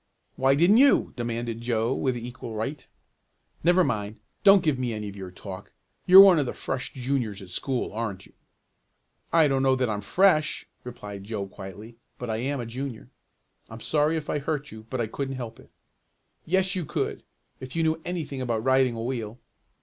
"Why didn't you?" demanded Joe with equal right. "Never mind. Don't give me any of your talk. You're one of the fresh juniors at school, aren't you?" "I don't know that I'm 'fresh,'" replied Joe quietly, "but I am a junior. I'm sorry if I hurt you, but I couldn't help it." "Yes you could, if you knew anything about riding a wheel."